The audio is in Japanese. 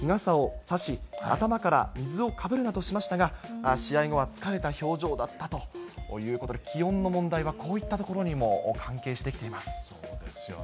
合間に日傘を差し、頭から水をかぶるなどしましたが、試合後は疲れた表情だったということで、気温の問題はこういったところにそうですよね。